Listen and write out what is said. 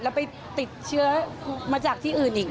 แล้วไปติดเชื้อมาจากที่อื่นอีก